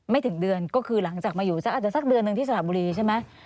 ถึงเดือนก็คือหลังจากมาอยู่สักอาจจะสักเดือนหนึ่งที่สระบุรีใช่ไหม